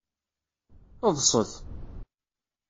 Ḍset!